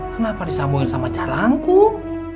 kenapa disambungin sama jalangkung